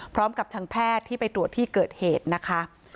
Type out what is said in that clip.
พร้อมกับทางแพทย์ที่ไปตรวจที่เกิดเหตุนะคะ